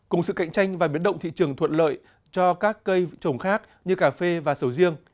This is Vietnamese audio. cùng sự cạnh tranh và biến động thị trường thuận lợi cho các cây trồng khác như cà phê và sầu riêng